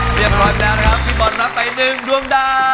เรียบร้อยแล้วครับพี่บอลรับไป๑ดวงดาว